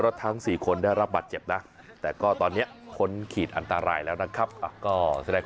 รถเนี่ยเกิดเหตุก่อนถึงวัดคลองเมืองจังหวัดพิศนุโลก